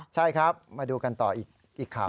ใช่ครับมาดูกันต่ออีกข่าว